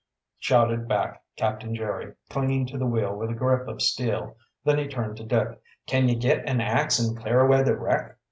shouted back Captain Jerry, clinging to the wheel with a grip of steel. Then he turned to Dick: "Can ye git an ax and clear away the wreck?"